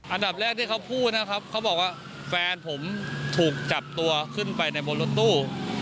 อันดับแรกที่เขาพูดนะครับเขาบอกว่าแฟนผมถูกจับตัวขึ้นไปในบนรถตู้